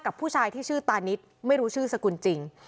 ผู้ชายที่ชื่อตานิดไม่รู้ชื่อสกุลจริง